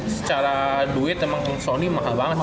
secara duit emang sony mahal banget